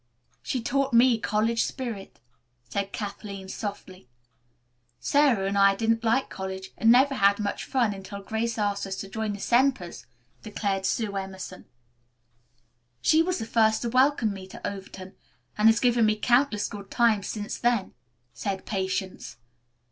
"She taught me college spirit," said Kathleen softly. "Sara and I didn't like college and never had much fun until Grace asked us to join the Sempers," declared Sue Emerson. "She was the first to welcome me to Overton, and has given me countless good times since then," said Patience.